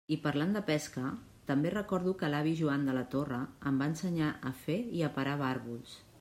I parlant de pesca, també recordo que l'avi Joan de la Torre em va ensenyar a fer i a parar barbols.